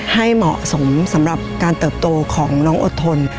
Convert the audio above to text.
ให้เหมาะสมสำหรับการเติบโตของน้องอดทน